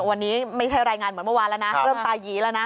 วันนี้ไม่ใช่รายงานเหมือนเมื่อวานแล้วนะเริ่มตายีแล้วนะ